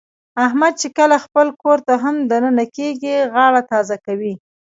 احمد چې کله خپل کورته هم د ننه کېږي، غاړه تازه کوي.